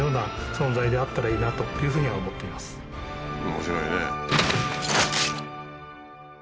面白いね。